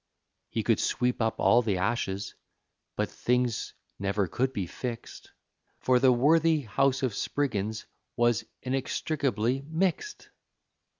He could sweep up all the ashes, but things never could be fixed, For the worthy house of Spriggins was inextricably mixed!